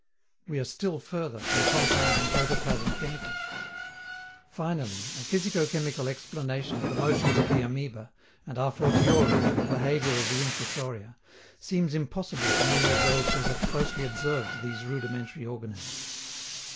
We are still further from compounding protoplasm chemically. Finally, a physico chemical explanation of the motions of the amoeba, and a fortiori of the behavior of the Infusoria, seems impossible to many of those who have closely observed these rudimentary organisms.